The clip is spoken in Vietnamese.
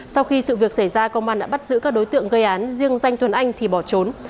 sau khi sự việc xảy ra công an đã bắt giữ các đối tượng gây án riêng danh tuấn anh thì bỏ trốn